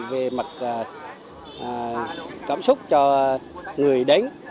về mặt cảm xúc cho người đến